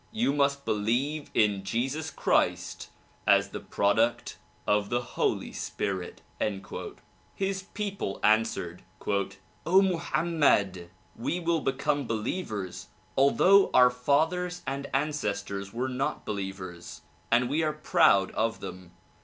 You must believe in Jesus Christ as the product of the Holy Spirit." His people an swered "0 Mohammed! we will become believers although our fathers and ancestors were not believers and we are proud of them.